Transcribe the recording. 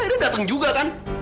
akhirnya dateng juga kan